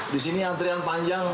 di sini antrian panjang